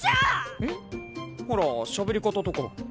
えっほらしゃべり方とか。